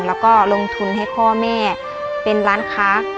แล้วก็ลงทุนให้พ่อแม่เป็นร้านค้า